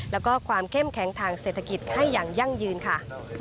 แล้วก็ความเข้มแข็งทางเศรษฐกิจให้อย่างยั่งยืนค่ะ